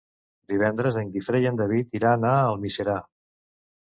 Divendres en Guifré i en David iran a Almiserà.